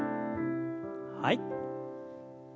はい。